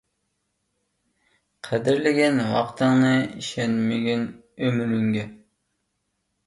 قەدىرلىگىن ۋاقتىڭنى، ئىشەنمىگىن ئۆمرۈڭگە.